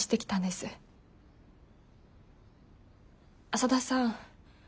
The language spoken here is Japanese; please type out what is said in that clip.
浅田さん